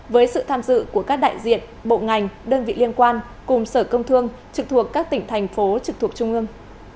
với sự tham dự của các đại diện bộ ngành đơn vị liên quan cùng sở công thương trực thuộc các tỉnh thành phố trực thuộc trung ương